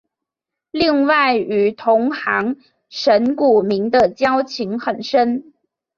另外与同行神谷明的交情很深。